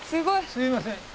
すいません。